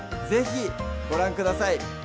是非ご覧ください